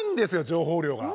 情報量が。